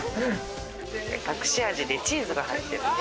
隠し味でチーズが入ってます。